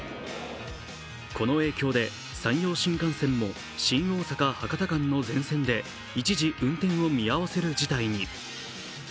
この影響で山陽新幹線も新大阪−博多間の全線で一時運転を見合わせる事態に。